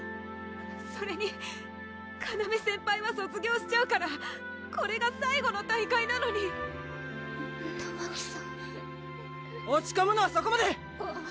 それにかなめ先輩は卒業しちゃうからこれが最後の大会なのにたまきさん落ちこむのはそこまで！